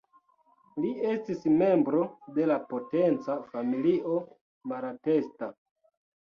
Li estis membro de la potenca familio Malatesta.